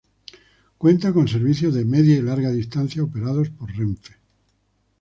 Cuenta con servicios de media y larga distancia operados por Renfe.